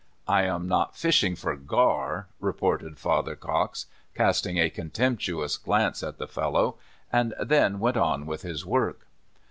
"I am not fishing for gar!" retorted Father Cox, casting a contemptuous glance at the fellow, and then went on with his work.